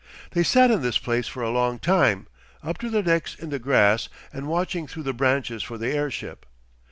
They sat in this place for a long time, up to their necks in the grass and watching through the branches for the airship.